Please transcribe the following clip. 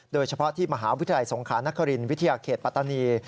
โดยเฉพาะที่มหาวิทยาลัยสงขานครินวิทยาเขตปัตตานี